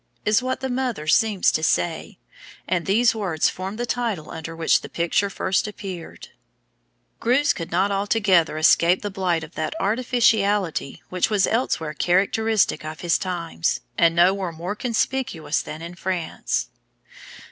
is what the mother seems to say; and these words form the title under which the picture first appeared. Greuze could not altogether escape the blight of that artificiality which was everywhere characteristic of his times, and nowhere more conspicuous than in France.